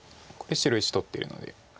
白石取ってるので。